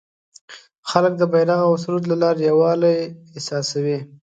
خلک د بیرغ او سرود له لارې یووالی احساسوي.